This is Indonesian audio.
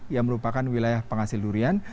yang merupakan wilayah penghasil durian